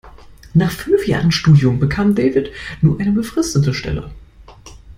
Nach fünf Jahren Studium bekam David nur eine befristete Stelle.